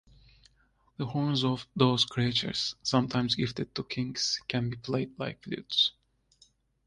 The horns of those creatures, sometimes gifted to kings, can be played like flutes.